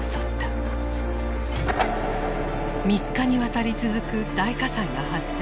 ３日にわたり続く大火災が発生。